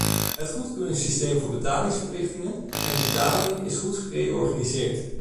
Het goedkeuringssysteem voor betalingsverplichtingen en betalingen is gereorganiseerd.